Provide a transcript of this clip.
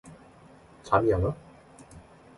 잠이 안 와?